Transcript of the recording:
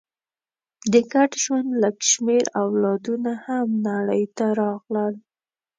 د ګډ ژوند لږ شمېر اولادونه هم نړۍ ته راغلل.